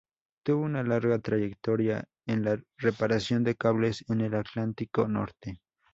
Tuvo una larga trayectoria en la reparación de cables en el Atlántico Norte.